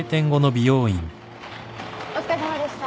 お疲れさまでした。